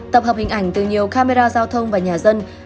tập hợp hình ảnh từ nhiều camera giao thông và nhà dân